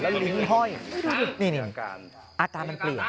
ลิ้นห้อยนี่อาการมันเปลี่ยน